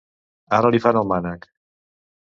Ara li fan el mànec!